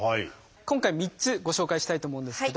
今回３つご紹介したいと思うんですけど。